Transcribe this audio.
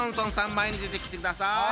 前に出てきてください。